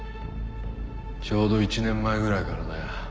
ちょうど１年前ぐらいからだよ。